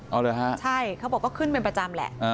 เอาเลยฮะใช่เขาบอกว่าขึ้นเป็นประจำแหละ